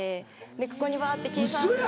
ここにバって計算して。